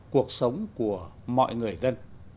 cuộc sống của mọi người dân